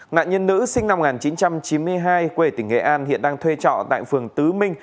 nạn nhân nữ sinh năm một nghìn chín trăm chín mươi hai quê tỉnh nghệ an hiện đang thuê trọ tại phường tứ minh